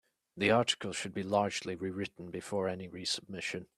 The article should be largely rewritten before any resubmission.